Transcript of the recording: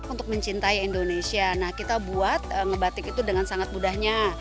untuk mencintai indonesia nah kita buat ngebatik itu dengan sangat mudahnya